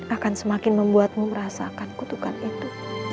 akan semakin membuatmu merasakan kutukan itu